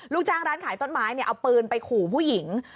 ลูกจ้างร้านขายต้นไม้เนี่ยเอาปืนไปขู่ผู้หญิง